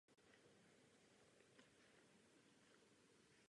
Byl to čistě politický a velmi nešťastný svazek.